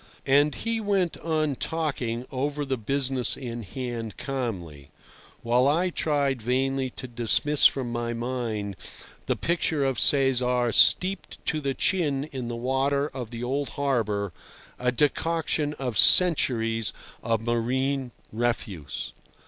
And he went on talking over the business in hand calmly, while I tried vainly to dismiss from my mind the picture of Cesar steeped to the chin in the water of the old harbour, a decoction of centuries of marine refuse.